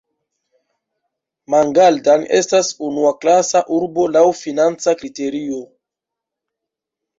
Mangaldan estas unuaklasa urbo laŭ financa kriterio.